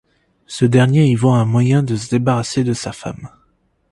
Ce dernier y voit un moyen de se débarrasser de sa femme.